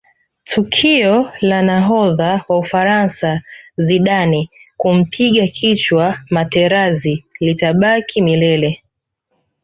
tukio la nahodha wa ufaransa zidane kumpiga kichwa materazi litabaki milele